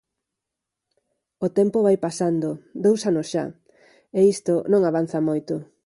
O tempo vai pasando; dous anos xa, e isto non avanza moito.